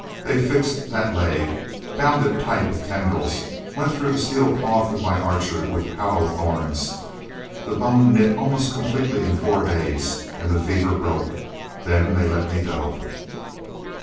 They fixed that leg, bound it tight with tendrils, went through the steel cloth of my Archer with hollow thorns. The bone knit almost completely in four days. And the fever broke. Then they let me go.